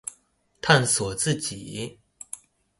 探索自己